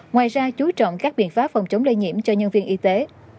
ngoài ra chú trọng các biện pháp phòng chống lây nhiễm cho nhân viên y tế